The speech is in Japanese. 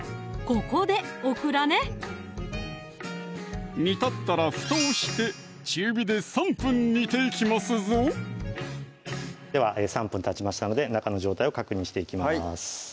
ここでオクラね煮立ったら蓋をして中火で３分煮ていきますぞでは３分たちましたので中の状態を確認していきます